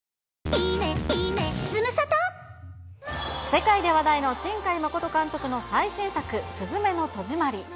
世界で話題の新海誠監督の最新作、すずめの戸締まり。